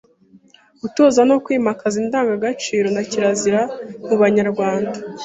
Gutoza no kwimakaza indangagaciro na kirazira mu Banyarwanda;